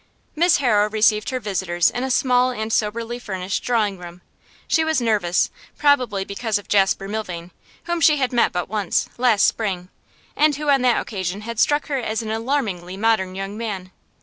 Miss Harrow received her visitors in a small and soberly furnished drawing room. She was nervous, probably because of Jasper Milvain, whom she had met but once last spring and who on that occasion had struck her as an alarmingly modern young man.